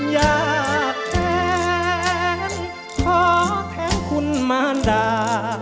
อยากแทนขอแทนคุณมารดา